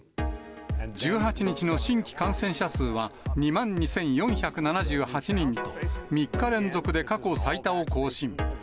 １８日の新規感染者数は２万２４７８人と３日連続で過去最多を更新。